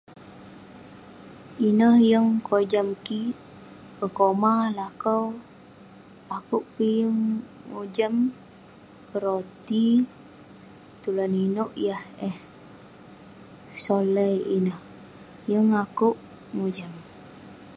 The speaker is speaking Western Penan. Ineh yeng kojam kik, kekomah lakau. akouk peh yeng mojam, peroti tulan inouk yah eh solai ineh. Yeng akouk mojam.